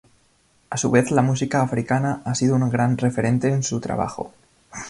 A su vez la música africana ha sido un gran referente en su trabajo.